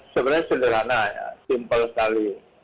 sebenarnya sederhana simple sekali